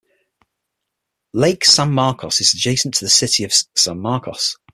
Lake San Marcos is adjacent to the City of San Marcos.